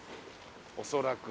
おそらく。